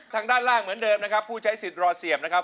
ทางด้านล่างเหมือนเดิมนะครับผู้ใช้สิทธิ์รอเสียบนะครับ